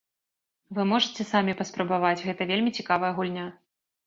Вы можаце самі паспрабаваць, гэта вельмі цікавая гульня!